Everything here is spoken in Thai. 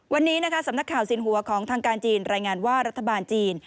วันนี้นะคะสำนักข่าวสินหัวของทางการจีนรายงานว่ารัฐบาลจีน